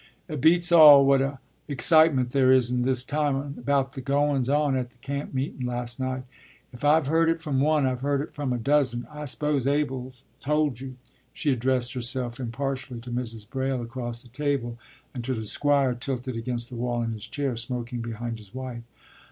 “It beats all what a excitement there is in this town about the goun's on at the camp meetun', last night. If I've heard it from one I've heard it from a dozen. I s'pose Abel's tol' you?” she addressed herself impartially to Mrs. Braile across the table and to the Squire tilted against the wall in his chair, smoking behind his wife.